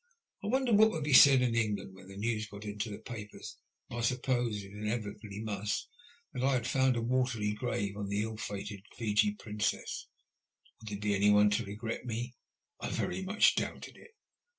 I wondered what would be said in England when the news got into the papers, as I supposed it inevitably must, that I had found a watery grave in the ill fated Fiji Princeti. Would there be anyone to regret me ? I very much doubted it.